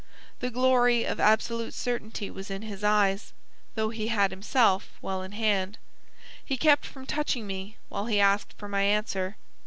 The glory of absolute certainty was in his eyes; though he had himself well in hand. He kept from touching me while he asked for my answer.